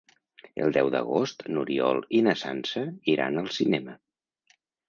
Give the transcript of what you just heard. El deu d'agost n'Oriol i na Sança iran al cinema.